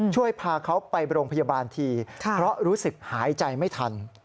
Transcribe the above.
ช่วยพาเขาไปโรงพยาบาลทีเพราะรู้สึกหายใจไม่ทัน